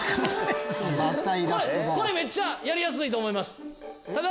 これめっちゃやりやすいと思います。